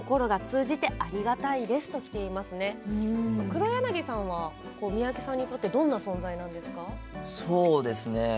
黒柳さんは三宅さんにとってどんな存在なんですか？